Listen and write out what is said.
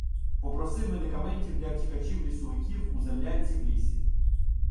Попросив медикаментів для втікачів-лісовиків у землянці в лісі.